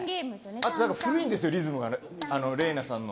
あと古いんですよ、リズムが玲奈さんの。